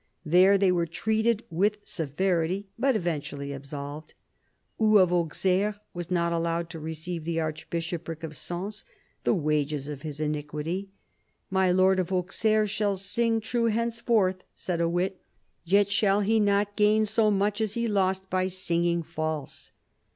There they were treated with severity, but eventually absolved. Hugh of Auxerre was not allowed to receive the archbishopric of Sens, the "wages of his iniquity." "My lord of Auxerre shall sing true, henceforth," said a wit, "yet shall he not gain so much as he lost by singing false."